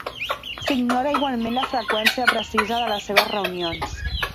S'ignora igualment la freqüència precisa de les seves reunions.